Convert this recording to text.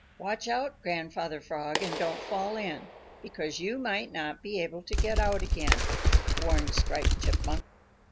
"Watch out, Grandfather Frog, and don't fall in, because you might not be able to get out again," warned Striped Chipmunk.